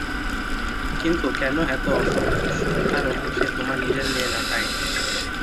কিন্তু কেন এতো অসন্তোষ্ট, কারণ সে তোমার নিজের মেয়ে না, তাই?